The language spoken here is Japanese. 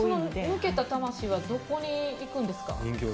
抜けた魂はどこにいくんですか？